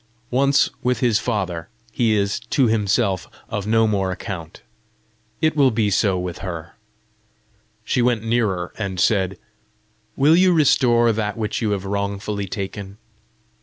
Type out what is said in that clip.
Once with his father, he is to himself of no more account. It will be so with her." She went nearer and said, "Will you restore that which you have wrongfully taken?"